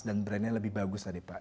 dan brandnya lebih bagus tadi pak